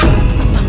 aku sudah dekade